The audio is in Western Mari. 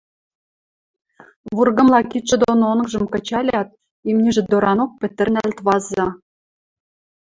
Вургымла кидшӹ доно онгжым кычалят, имнижӹ доранок пӹтӹрнӓлт вазы.